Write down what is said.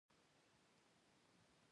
متوازن خواړه روغتیا ساتي.